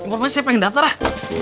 emang siapa yang daftar ah